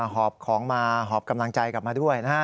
หอบของมาหอบกำลังใจกลับมาด้วยนะฮะ